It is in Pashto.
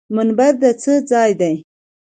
منبر د څه ځای دی؟